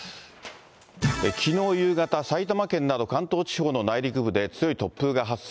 きのう夕方、埼玉県など関東地方の内陸部で強い突風が発生。